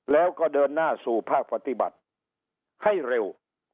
แล้วก็เดินหน้าสู่ภาคปฏิบัติให้เร็ว